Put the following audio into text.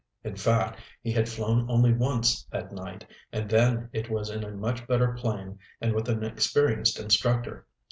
In fact, he had flown only once at night, and then it was in a much better plane and with an experienced instructor.